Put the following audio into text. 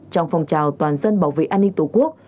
trong phòng trào toàn dân bảo vệ an ninh tổ quốc